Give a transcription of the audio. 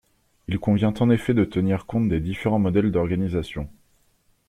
Il convient en effet de tenir compte des différents modèles d’organisation.